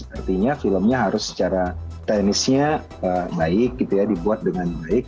artinya filmnya harus secara teknisnya baik gitu ya dibuat dengan baik